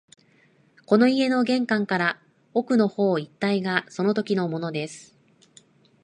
この家の玄関から奥の方一帯がそのときのものです